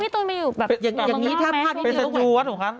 พอพี่ตูนมาอยู่แบบอย่างนี้ถ้าพักเป็นสตรูว่าถูกหรือเปล่าคะ